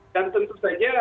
dan tentu saja